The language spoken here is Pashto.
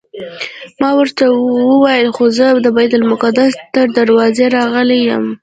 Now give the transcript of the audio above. ما ورته وویل خو زه د بیت المقدس تر دروازې راغلی یم.